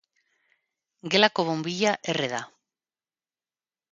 Gelako bonbilla erre da.